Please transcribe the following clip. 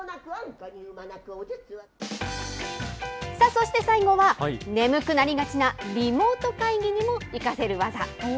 そして最後は、眠くなりがちなリモート会議にも生かせる技。